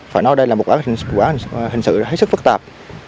phải nói đây là một quá hình sự rất phức tạp